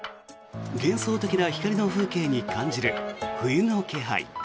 幻想的な光の風景に感じる冬の気配。